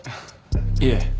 いえ。